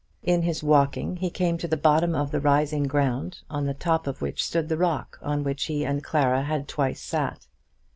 In his walking he came to the bottom of the rising ground on the top of which stood the rock on which he and Clara had twice sat.